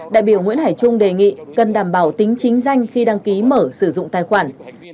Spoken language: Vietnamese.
đại biểu nguyễn hải trung đề nghị cần đảm bảo tính chính danh khi đăng ký mở sử dụng tài khoản